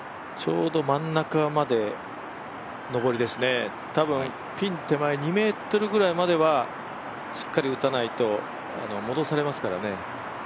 ちょうど真ん中まで上りですね、多分、ピン手前２ｍくらいまではしっかり打たないと戻されますからね。